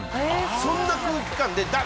そんな空気感で。